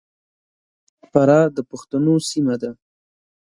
فراه د پښتنو سیمه ده.